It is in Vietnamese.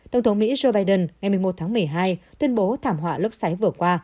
tổng thống mỹ joe biden ngày một mươi một tháng một mươi hai tuyên bố thảm họa lốc xoáy vừa qua